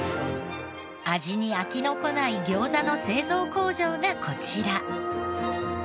味に飽きの来ない餃子の製造工場がこちら。